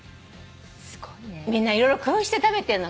みんな色々工夫して食べてんの。